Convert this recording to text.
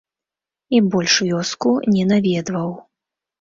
І больш вёску не наведаў.